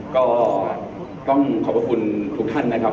ก็ต้องขอบพระคุณทุกท่านนะครับ